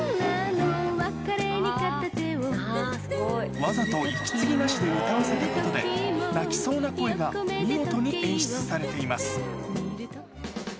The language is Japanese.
わざと息継ぎなしで歌わせたことで、泣きそうな声が見事に演出されています。